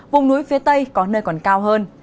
vùng núi phía tây có nơi còn cao hơn